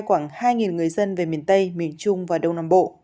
khoảng hai người dân về miền tây miền trung và đông nam bộ